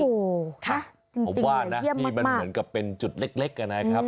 โอ้โหค่ะจริงเยี่ยมมากผมว่านี่มันเหมือนกับเป็นจุดเล็กนะครับ